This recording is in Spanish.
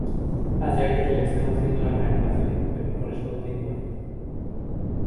A Jagger le están haciendo la reanimación pero no responde y muere.